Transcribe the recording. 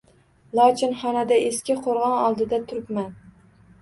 Lochinxonada eski qo‘rg‘on oldida turibman.